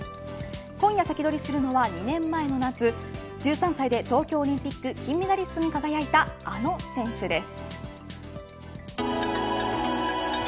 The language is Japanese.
今夜サキドリするのは２年前の夏１３歳で東京オリンピック金メダリストに輝いたあの選手です。